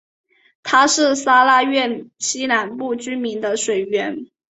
它是沙拉越西南部居民的水源。